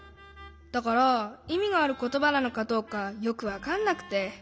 だからいみがあることばなのかどうかよくわかんなくて。